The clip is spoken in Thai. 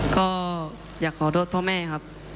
ก็อยากขอโทษพ่อแม่ครับ